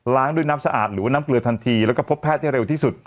ด้วยน้ำสะอาดหรือว่าน้ำเกลือทันทีแล้วก็พบแพทย์ให้เร็วที่สุด